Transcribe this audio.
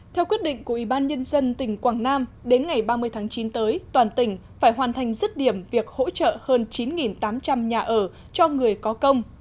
theo quyết định của ủy ban nhân dân tỉnh quảng nam đến ngày ba mươi tháng chín tới toàn tỉnh phải hoàn thành dứt điểm việc hỗ trợ hơn chín tám trăm linh nhà ở cho người có công